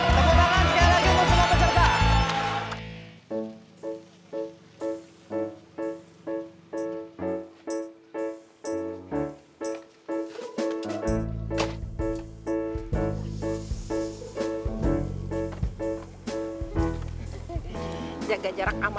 selamat kepada peserta nomor dua tujuh dan lima